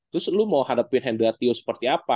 terus lu mau hadapin hendratio seperti apa